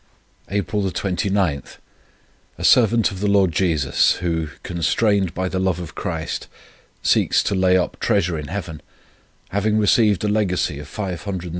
"April 29. A servant of the Lord Jesus, who, constrained by the love of Christ, seeks to lay up treasure in heaven, having received a legacy of £532 14s.